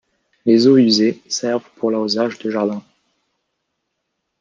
Les eaux usées servent pour l'arrosage de jardins.